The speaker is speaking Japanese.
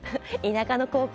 田舎の高校！